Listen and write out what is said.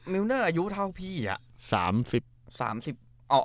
มิวเนอร์อายุเท่าพี่อะ